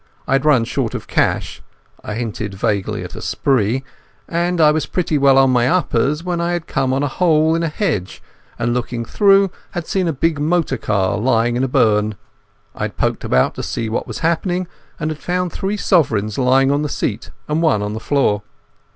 I had run short of cash—I hinted vaguely at a spree—and I was pretty well on my uppers when I had come on a hole in a hedge, and, looking through, had seen a big motor car lying in the burn. I had poked about to see what had happened, and had found three sovereigns lying on the seat and one on the floor.